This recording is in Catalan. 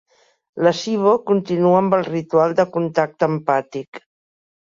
La Sybo continua amb el ritual de contacte empàtic.